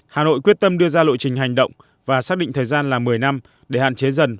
hà nội quyết tâm đưa ra lộ trình hành động và xác định thời gian là một mươi năm để hạn chế dần